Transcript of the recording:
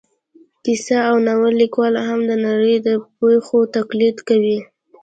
کیسه او ناول لیکوال هم د نړۍ د پېښو تقلید کوي